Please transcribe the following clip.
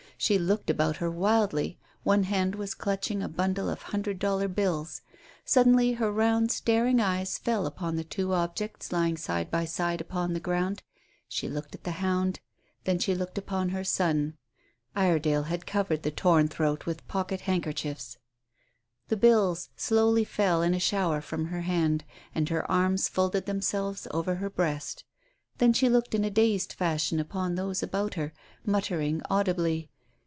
She looked about her wildly; one hand was clutching a bundle of hundred dollar bills. Suddenly her round, staring eyes fell upon the two objects lying side by side upon the ground. She looked at the hound; then she looked upon her son. Iredale had covered the torn throat with pocket handkerchiefs. The bills slowly fell in a shower from her hand, and her arms folded themselves over her breast. Then she looked in a dazed fashion upon those about her, muttering audibly.